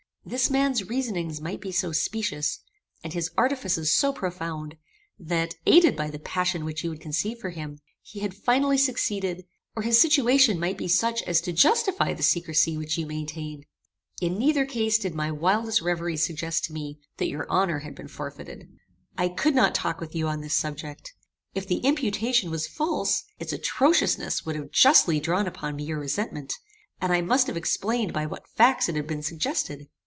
This man's reasonings might be so specious, and his artifices so profound, that, aided by the passion which you had conceived for him, he had finally succeeded; or his situation might be such as to justify the secrecy which you maintained. In neither case did my wildest reveries suggest to me, that your honor had been forfeited. "I could not talk with you on this subject. If the imputation was false, its atrociousness would have justly drawn upon me your resentment, and I must have explained by what facts it had been suggested.